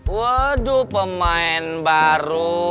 waduh pemain baru